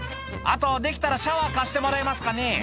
「あとできたらシャワー貸してもらえますかね？」